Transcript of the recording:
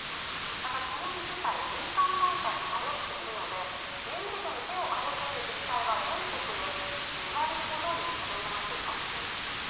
また、支援自体民間団体に頼っているので、支援事業に手を挙げている自治体は全国で２割ほどにとどまっています。